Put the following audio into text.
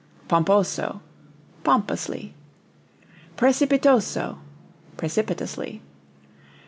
Pomposo pompously. Precipitoso precipitously.